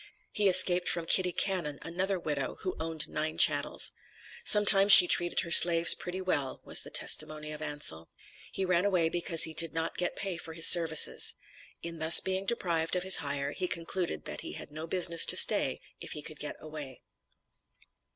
He escaped from Kitty Cannon, another widow, who owned nine chattels. "Sometimes she treated her slaves pretty well," was the testimony of Ansal. He ran away because he did not get pay for his services. In thus being deprived of his hire, he concluded that he had no business to stay if he could get away.